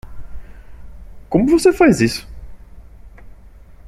Como você faz isso?